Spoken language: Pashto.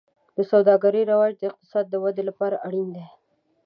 د سوداګرۍ رواج د اقتصاد د ودې لپاره اړین دی.